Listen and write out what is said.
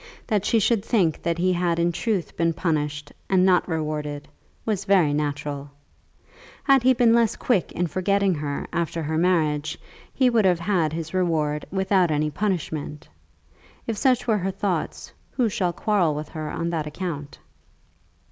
That she should think that he had in truth been punished and not rewarded, was very natural. Had he been less quick in forgetting her after her marriage, he would have had his reward without any punishment. If such were her thoughts, who shall quarrel with her on that account?